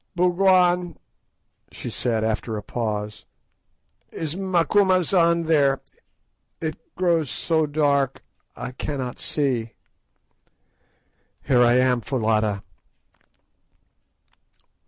"Bougwan," she said, after a pause, "is Macumazahn there? It grows so dark, I cannot see." "Here I am, Foulata."